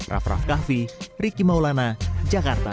raff raff kahvi riki maulana jakarta